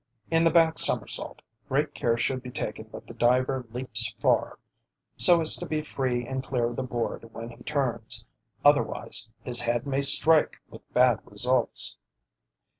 In the back somersault great care should be taken that the diver leaps far, so as to be free and clear of the board when he turns; otherwise his head may strike with bad results.